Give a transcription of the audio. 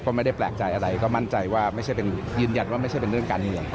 ก็ไม่ได้แปลกใจอะไรก็มั่นใจว่าไม่ใช่เป็นยืนยันว่าไม่ใช่เป็นเรื่องการเมือง